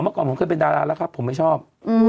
ก่อนผมเคยเป็นดาราแล้วครับผมไม่ชอบ